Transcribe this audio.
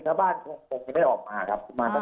แต่บ้านคงคงไหนออกมาครับ